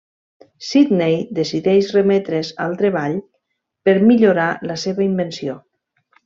Sidney decideix remetre's al treball per millorar la seva invenció.